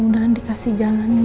udahlah dikasih jalannya